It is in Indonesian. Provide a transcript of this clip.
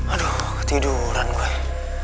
aduh ketiduran gue